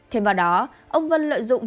thêm vào đó ông vân lợi dụng